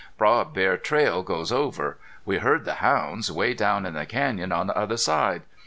Broad bear trail goes over. We heard the hounds 'way down in the canyon on the other side.